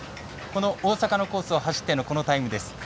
この大阪のコースを走ってのこのタイムです。